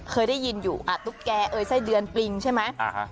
เคยได้ยินอยู่ตุ๊กแกเอ่ยไส้เดือนปริงใช่ไหม